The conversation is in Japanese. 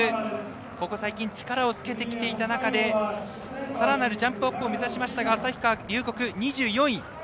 ここ最近力をつけてきた中で更なるジャンプアップを目指しましたが旭川龍谷、２４位。